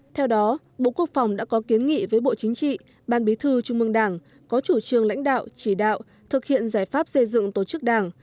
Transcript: theo đó bộ quốc phòng đã có kiến nghị với bộ chính trị ban bí thư trung mương đảng có chủ trương lãnh đạo chỉ đạo thực hiện giải pháp xây dựng tổ chức đảng